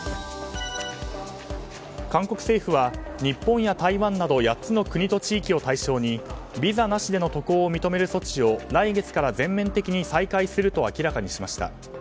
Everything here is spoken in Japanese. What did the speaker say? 韓国政府は日本や台湾など８つの国と地域を対象にビザなしでの渡航を認める措置を来月から全面的に再開すると明らかにしました。